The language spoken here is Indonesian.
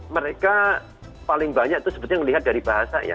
mereka paling banyak itu sebetulnya melihat dari bahasa ya